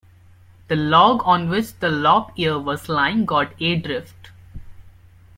The log on which Lop-Ear was lying got adrift.